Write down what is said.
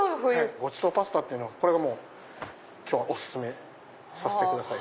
「ご馳走パスタ」っていう今日はお薦めさせてください。